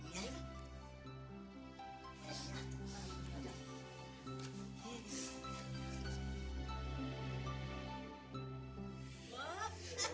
kita jadi keren